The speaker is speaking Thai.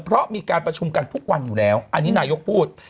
เพราะมีการประชุมกันทุกวันอยู่แล้วอันนี้นายกพูด